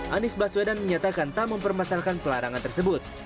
anies baswedan menyatakan tak mempermasalahkan pelarangan tersebut